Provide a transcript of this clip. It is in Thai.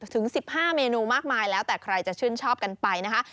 ถึง๑๕เมนูมากมายแล้วแต่ใครจะชื่นชอบกันไปนะคะ